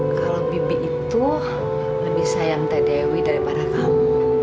kalau bibi itu lebih sayang tadewi daripada kamu